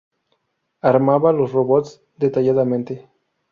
Armaba los robos detalladamente.